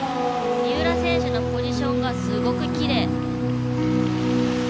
三浦選手のポジションがすごくきれい。